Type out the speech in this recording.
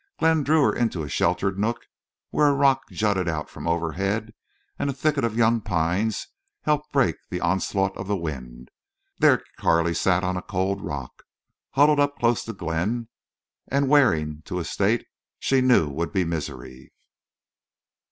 Glenn drew her into a sheltered nook where a rock jutted out from overhead and a thicket of young pines helped break the onslaught of the wind. There Carley sat on a cold rock, huddled up close to Glenn, and wearing to a state she knew would be misery.